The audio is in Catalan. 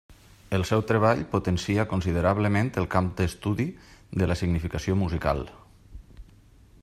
El seu treball potencia considerablement el camp d'estudi de la significació musical.